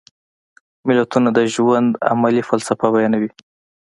متلونه د ژوند عملي فلسفه بیانوي